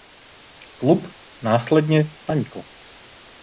Klub následně zanikl.